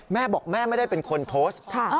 แม่บอกแม่ไม่ได้เป็นคนโพสต์